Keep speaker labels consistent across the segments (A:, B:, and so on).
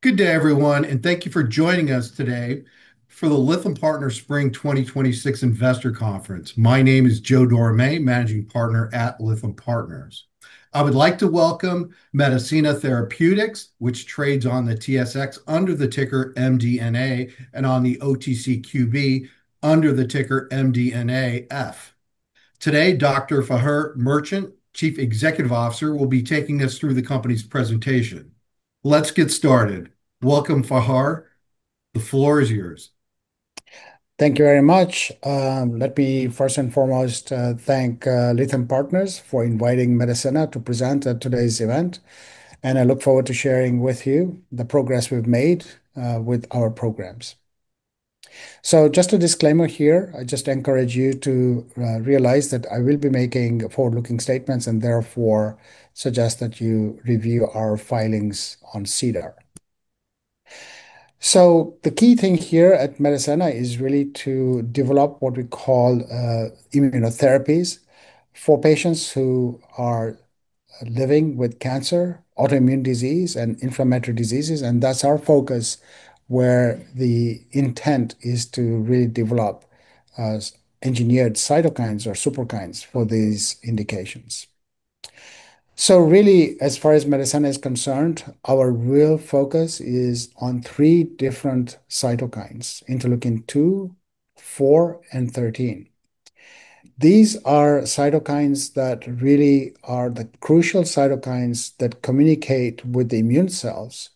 A: Good day everyone. Thank you for joining us today for the Lytham Partners Spring 2026 Investor Conference. My name is Joe Dorame, managing partner at Lytham Partners. I would like to welcome Medicenna Therapeutics, which trades on the TSX under the ticker MDNA, and on the OTCQB under the ticker MDNAF. Today, Dr. Fahar Merchant, Chief Executive Officer, will be taking us through the company's presentation. Let's get started. Welcome, Fahar. The floor is yours.
B: Thank you very much. Let me first and foremost thank Lytham Partners for inviting Medicenna to present at today's event. I look forward to sharing with you the progress we've made with our programs. Just a disclaimer here, I just encourage you to realize that I will be making forward-looking statements and therefore suggest that you review our filings on SEDAR. The key thing here at Medicenna is really to develop what we call immunotherapies for patients who are living with cancer, autoimmune disease, and inflammatory diseases. That's our focus, where the intent is to really develop engineered cytokines or Superkines for these indications. Really, as far as Medicenna is concerned, our real focus is on three different cytokines, interleukin 2, 4, and 13. These are cytokines that really are the crucial cytokines that communicate with the immune cells,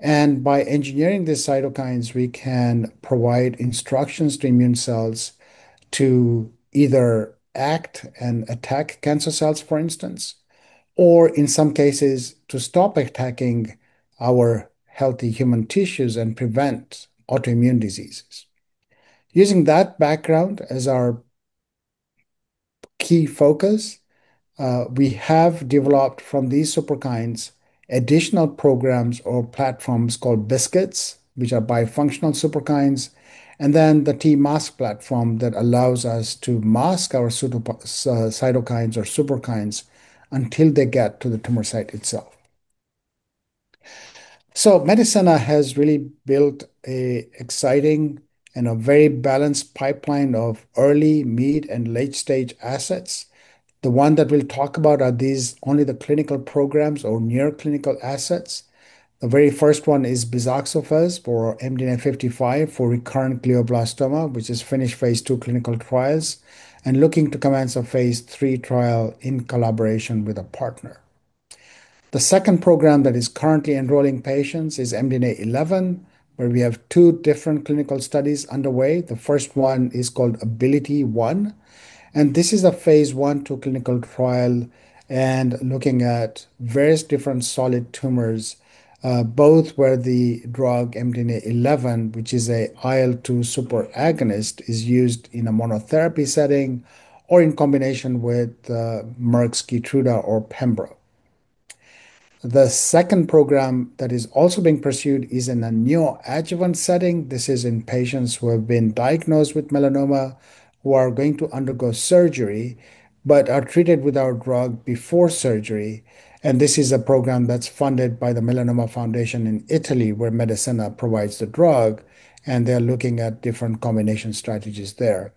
B: and by engineering these cytokines, we can provide instructions to immune cells to either act and attack cancer cells, for instance, or in some cases to stop attacking our healthy human tissues and prevent autoimmune diseases. Using that background as our key focus, we have developed from these Superkines additional programs or platforms called BiSKITs, which are bifunctional superkines, and then the T-MASK platform that allows us to mask our cytokines or Superkines until they get to the tumor site itself. Medicenna has really built an exciting and a very balanced pipeline of early, mid, and late-stage assets. The one that we'll talk about are these only the clinical programs or near clinical assets. The very first one is bizaxofusp for MDNA55 for recurrent glioblastoma, which has finished phase II clinical trials and looking to commence a phase III trial in collaboration with a partner. The second program that is currently enrolling patients is MDNA11, where we have two different clinical studies underway. The first one is called ABILITY-1, and this is a phase I/II clinical trial looking at various different solid tumors, both where the drug MDNA11, which is an IL-2 super-agonist, is used in a monotherapy setting or in combination with Merck's Keytruda or pembro. The second program that is also being pursued is in a neoadjuvant setting. This is in patients who have been diagnosed with melanoma, who are going to undergo surgery, but are treated with our drug before surgery. This is a program that's funded by the Fondazione Melanoma in Italy, where Medicenna provides the drug, and they're looking at different combination strategies there.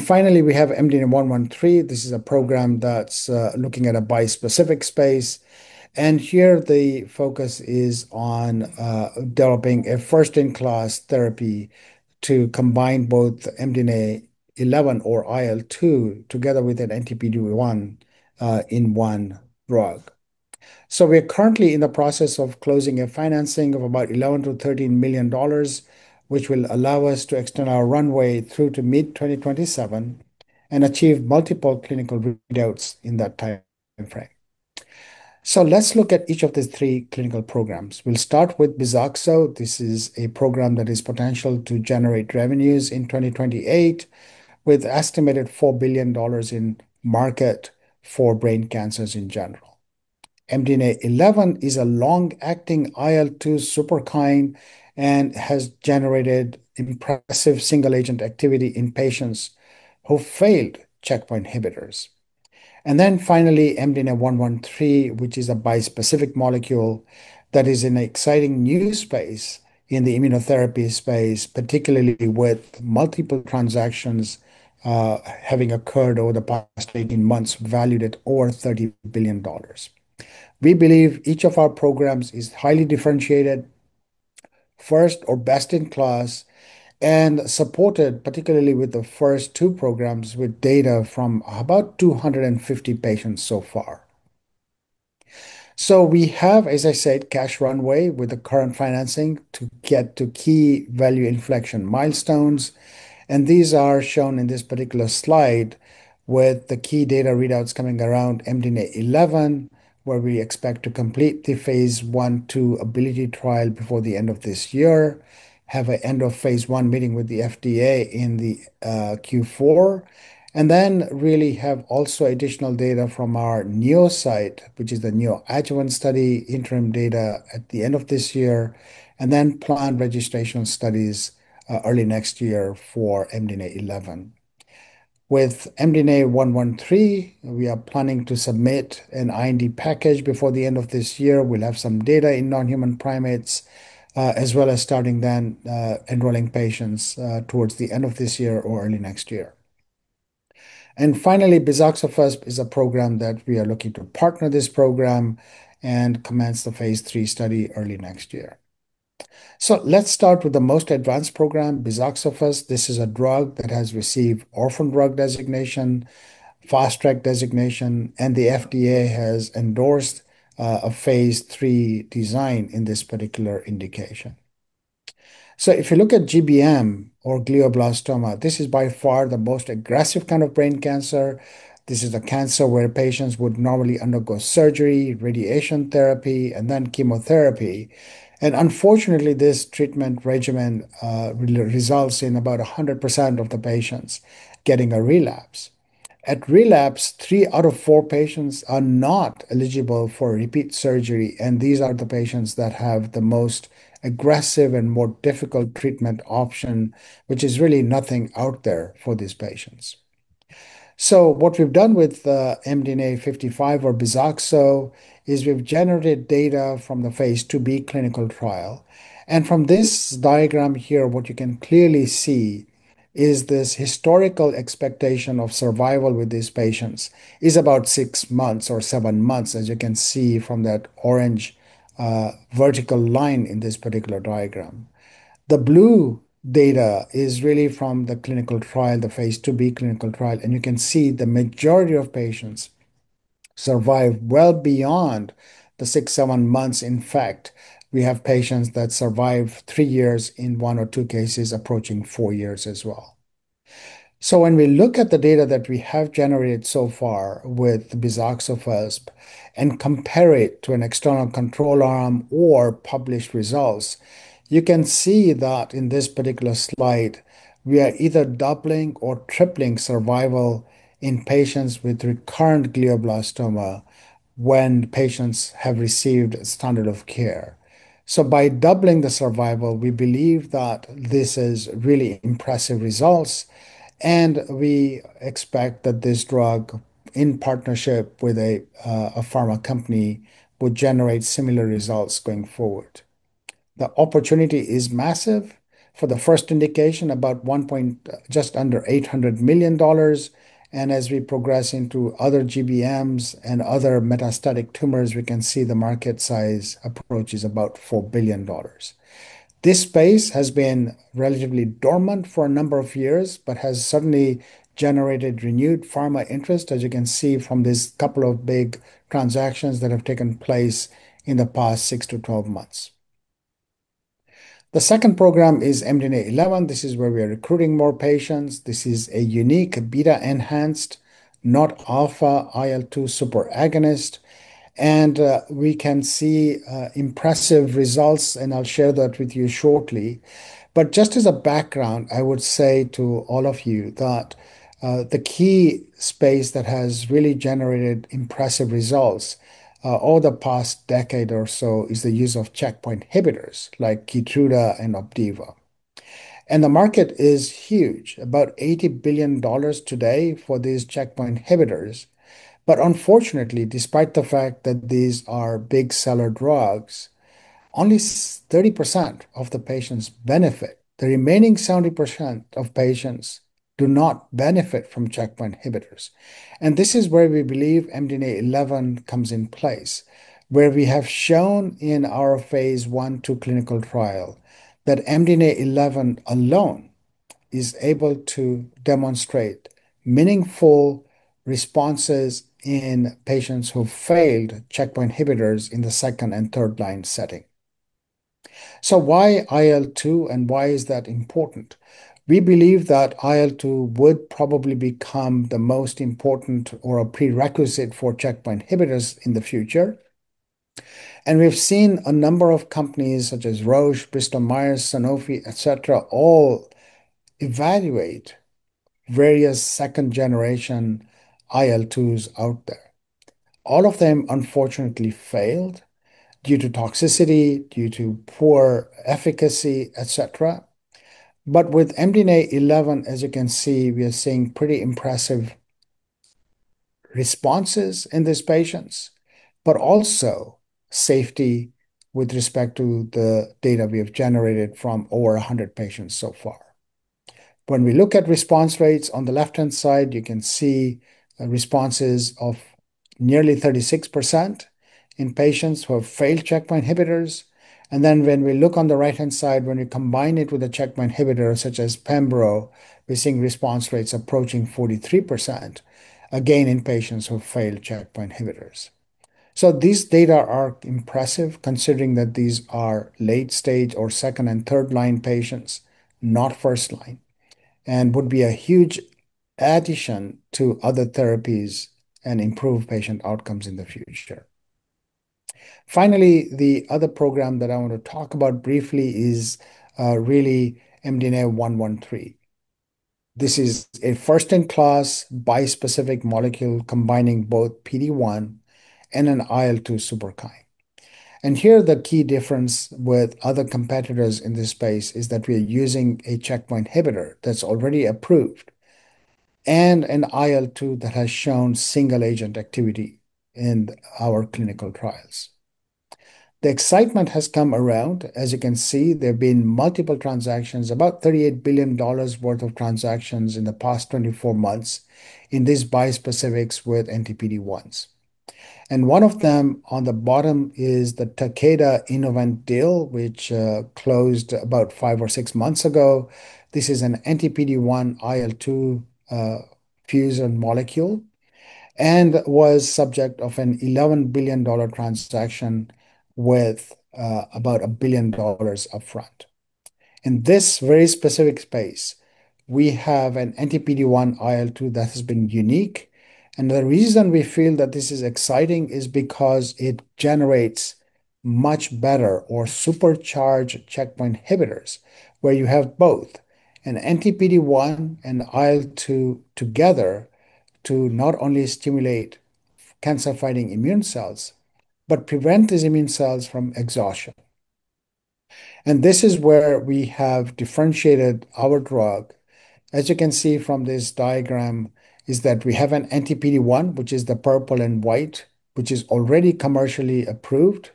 B: Finally, we have MDNA113. This is a program that's looking at a bispecific space, and here the focus is on developing a first-in-class therapy to combine both MDNA11 or IL-2 together with an anti-PD-1 in one drug. We are currently in the process of closing a financing of about $11 million-$13 million, which will allow us to extend our runway through to mid-2027 and achieve multiple clinical readouts in that time frame. Let's look at each of these three clinical programs. We'll start with bizaxofusp. This is a program that is potential to generate revenues in 2028 with estimated $4 billion in market for brain cancers in general. MDNA11 is a long-acting IL-2 superkine and has generated impressive single-agent activity in patients who failed checkpoint inhibitors. Finally, MDNA113, which is a bispecific molecule that is an exciting new space in the immunotherapy space, particularly with multiple transactions having occurred over the past 18 months, valued at over $30 billion. We believe each of our programs is highly differentiated, first or best in class, and supported particularly with the first two programs with data from about 250 patients so far. We have, as I said, cash runway with the current financing to get to key value inflection milestones. These are shown in this particular slide with the key data readouts coming around MDNA11, where we expect to complete the phase I/II ABILITY-1 trial before the end of this year, have an end of phase I meeting with the FDA in the Q4, and then really have also additional data from our NEO-CYT, which is the neoadjuvant study interim data at the end of this year, and then plan registration studies early next year for MDNA11. With MDNA113, we are planning to submit an IND package before the end of this year. We'll have some data in non-human primates, as well as starting then enrolling patients towards the end of this year or early next year. Finally, bizaxofusp is a program that we are looking to partner this program and commence the phase III study early next year. Let's start with the most advanced program, bizaxofusp. This is a drug that has received orphan drug designation, fast track designation, and the FDA has endorsed a phase III design in this particular indication. If you look at GBM or glioblastoma, this is by far the most aggressive kind of brain cancer. This is a cancer where patients would normally undergo surgery, radiation therapy, and then chemotherapy. Unfortunately, this treatment regimen results in about 100% of the patients getting a relapse. At relapse, three out of four patients are not eligible for repeat surgery, and these are the patients that have the most aggressive and more difficult treatment option, which is really nothing out there for these patients. What we've done with MDNA55 or bizaxofusp is we've generated data from the phase II-B clinical trial. From this diagram here, what you can clearly see is this historical expectation of survival with these patients is about six months or seven months, as you can see from that orange vertical line in this particular diagram. The blue data is really from the clinical trial, the phase II-B clinical trial, and you can see the majority of patients survive well beyond the six, seven months. In fact, we have patients that survive three years, in one or two cases approaching four years as well. When we look at the data that we have generated so far with bizaxofusp and compare it to an external control arm or published results, you can see that in this particular slide, we are either doubling or tripling survival in patients with recurrent glioblastoma when patients have received standard of care. By doubling the survival, we believe that this is really impressive results, and we expect that this drug, in partnership with a pharma company, would generate similar results going forward. The opportunity is massive. For the first indication, about just under $800 million. As we progress into other GBMs and other metastatic tumors, we can see the market size approaches about $4 billion. This space has been relatively dormant for a number of years but has suddenly generated renewed pharma interest, as you can see from these couple of big transactions that have taken place in the past 6-12 months. The second program is MDNA11. This is where we are recruiting more patients. This is a unique beta-enhanced, not alpha IL-2 super-agonist, and we can see impressive results, and I'll share that with you shortly. Just as a background, I would say to all of you that the key space that has really generated impressive results over the past decade or so is the use of checkpoint inhibitors like Keytruda and Opdivo. The market is huge, about $80 billion today for these checkpoint inhibitors. Unfortunately, despite the fact that these are big seller drugs, only 30% of the patients benefit. The remaining 70% of patients do not benefit from checkpoint inhibitors. This is where we believe MDNA11 comes in place, where we have shown in our phase I- phase II clinical trial that MDNA11 alone is able to demonstrate meaningful responses in patients who failed checkpoint inhibitors in the second and third line setting. Why IL-2 and why is that important? We believe that IL-2 would probably become the most important or a prerequisite for checkpoint inhibitors in the future. We've seen a number of companies such as Roche, Bristol Myers, Sanofi, et cetera, all evaluate various second generation IL-2s out there. All of them unfortunately failed due to toxicity, due to poor efficacy, et cetera. With MDNA11, as you can see, we are seeing pretty impressive responses in these patients, but also safety with respect to the data we have generated from over 100 patients so far. When we look at response rates on the left-hand side, you can see responses of nearly 36% in patients who have failed checkpoint inhibitors. When we look on the right-hand side, when we combine it with a checkpoint inhibitor such as Pembro, we're seeing response rates approaching 43%, again, in patients who have failed checkpoint inhibitors. These data are impressive considering that these are late stage or second- and third-line patients, not first-line, and would be a huge addition to other therapies and improve patient outcomes in the future. Finally, the other program that I want to talk about briefly is MDNA113. This is a first-in-class bispecific molecule combining both PD-1 and an IL-2 superkine. Here, the key difference with other competitors in this space is that we are using a checkpoint inhibitor that's already approved, and an IL-2 that has shown single-agent activity in our clinical trials. The excitement has come around. As you can see, there have been multiple transactions, about $38 billion worth of transactions in the past 24 months in these bispecifics with anti-PD-1s. One of them, on the bottom, is the Takeda-Innovent deal, which closed about five or six months ago. This is an anti-PD-1-IL-2 fusion molecule, and was subject of a $11 billion transaction with about $1 billion upfront. In this very specific space, we have an anti-PD-1 IL-2 that has been unique. The reason we feel that this is exciting is because it generates much better or supercharged checkpoint inhibitors, where you have both an anti-PD-1 and IL-2 together to not only stimulate cancer-fighting immune cells, but prevent these immune cells from exhaustion. This is where we have differentiated our drug. As you can see from this diagram, is that we have an anti-PD-1, which is the purple and white, which is already commercially approved.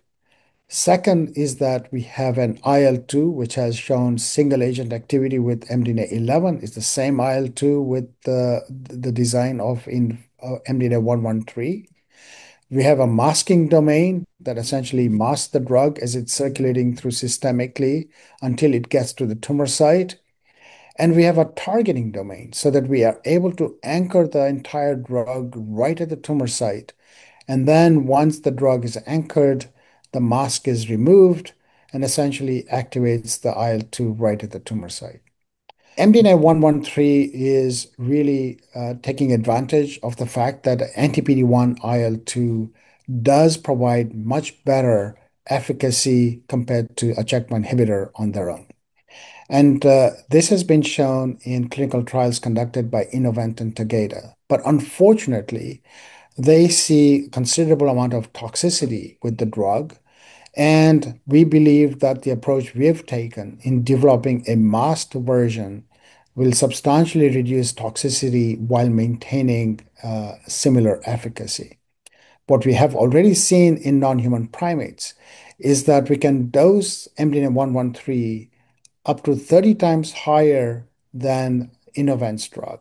B: Second is that we have an IL-2, which has shown single-agent activity with MDNA11. It's the same IL-2 with the design of MDNA113. We have a masking domain that essentially masks the drug as it's circulating through systemically until it gets to the tumor site. We have a targeting domain, so that we are able to anchor the entire drug right at the tumor site. Once the drug is anchored, the mask is removed, and essentially activates the IL-2 right at the tumor site. MDNA113 is really taking advantage of the fact that anti-PD-1 IL-2 does provide much better efficacy compared to a checkpoint inhibitor on their own. This has been shown in clinical trials conducted by Innovent and Takeda. Unfortunately, they see considerable amount of toxicity with the drug, and we believe that the approach we have taken in developing a masked version will substantially reduce toxicity while maintaining similar efficacy. What we have already seen in non-human primates is that we can dose MDNA113 up to 30 times higher than Innovent's drug.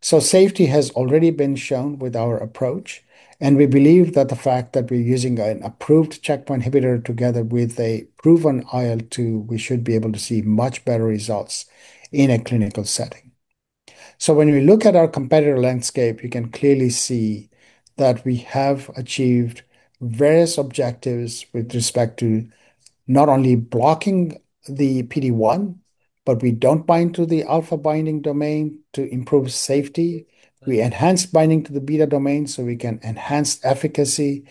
B: Safety has already been shown with our approach, and we believe that the fact that we're using an approved checkpoint inhibitor together with a proven IL-2, we should be able to see much better results in a clinical setting. When we look at our competitor landscape, you can clearly see that we have achieved various objectives with respect to not only blocking the PD-1, but we don't bind to the alpha binding domain to improve safety. We enhance binding to the beta domain so we can enhance efficacy.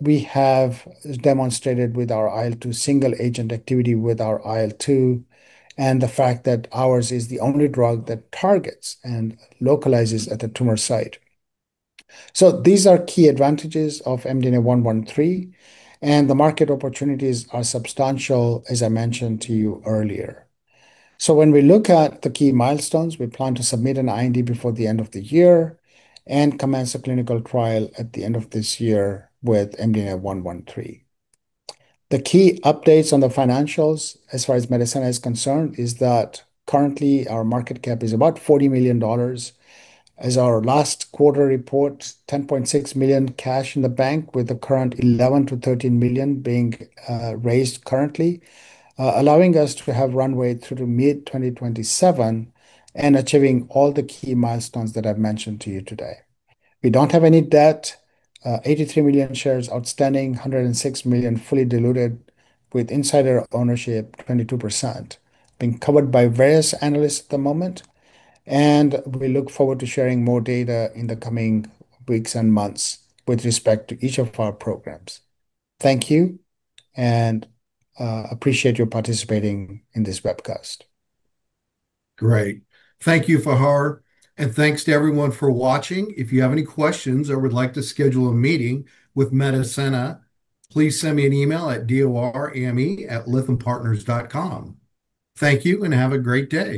B: We have demonstrated with our IL-2 single-agent activity with our IL-2, and the fact that ours is the only drug that targets and localizes at the tumor site. These are key advantages of MDNA113, and the market opportunities are substantial, as I mentioned to you earlier. When we look at the key milestones, we plan to submit an IND before the end of the year and commence a clinical trial at the end of this year with MDNA113. The key updates on the financials, as far as Medicenna is concerned, is that currently our market cap is about $40 million. As our last quarter report, $10.6 million cash in the bank, with the current $11 million-$13 million being raised currently, allowing us to have runway through to mid-2027 and achieving all the key milestones that I've mentioned to you today. We don't have any debt. 83 million shares outstanding, 106 million fully diluted, with insider ownership 22%, being covered by various analysts at the moment. We look forward to sharing more data in the coming weeks and months with respect to each of our programs. Thank you, and appreciate your participating in this webcast.
A: Great. Thank you, Fahar, and thanks to everyone for watching. If you have any questions or would like to schedule a meeting with Medicenna, please send me an email at dorame@lythampartners.com. Thank you, and have a great day.